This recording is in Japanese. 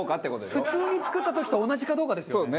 普通に作った時と同じかどうかですよね。